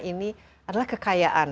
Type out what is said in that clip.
ini adalah kekayaan